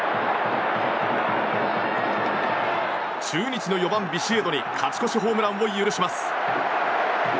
中日の４番、ビシエドに勝ち越しホームランを許します。